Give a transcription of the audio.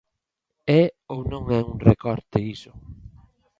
¿É ou non é un recorte iso?